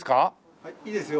はいいいですよ。